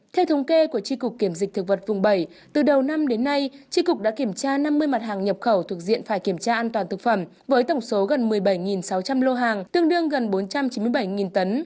theo thống kê của tri cục kiểm dịch thực vật vùng bảy từ đầu năm đến nay tri cục đã kiểm tra năm mươi mặt hàng nhập khẩu thuộc diện phải kiểm tra an toàn thực phẩm với tổng số gần một mươi bảy sáu trăm linh lô hàng tương đương gần bốn trăm chín mươi bảy tấn